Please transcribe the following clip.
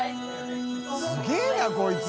すげぇなこいつ。